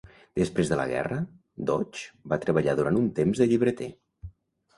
Després de la guerra, Deutsch va treballar durant un temps de llibreter.